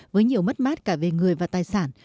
với nhiều mất mát cả về người và tài sản